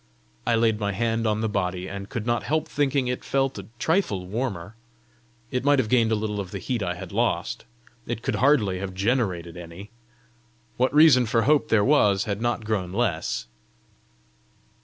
I laid my hand on the body, and could not help thinking it felt a trifle warmer. It might have gained a little of the heat I had lost! it could hardly have generated any! What reason for hope there was had not grown less!